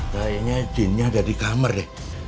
kayaknya jinnya ada di kamar deh